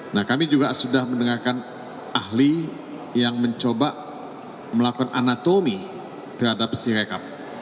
nah kami juga sudah mendengarkan ahli yang mencoba melakukan anatomi terhadap si rekap